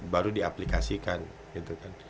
baru diaplikasikan gitu kan